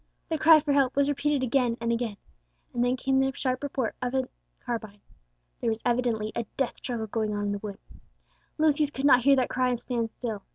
the cry for help, was repeated again and again, and then came the sharp report of a carbine. There was evidently a death struggle going on in the wood. Lucius could not hear that cry and stand still.